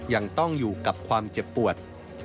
ยังต้องอยู่กับความเจ็บปวด